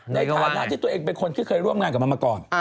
ในฐานะที่ตัวเองเป็นคนที่เคยร่วมงานกับมันมาก่อน